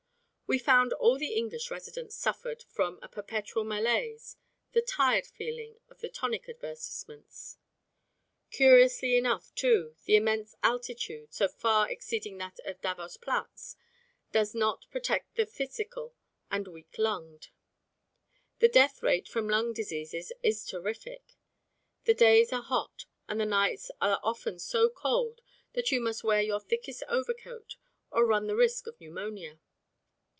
We found all the English residents suffered from a perpetual malaise, the "tired feeling" of the tonic advertisements. Curiously enough, too, the immense altitude, so far exceeding that of Davos Platz, does not protect the phthisical and weak lunged. The death rate from lung diseases is terrific. The days are hot and the nights are often so cold that you must wear your thickest overcoat or run the risk of pneumonia.